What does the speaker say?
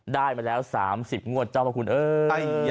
ได้มาแล้ว๓๐งวดเจ้าพระคุณเอ้ย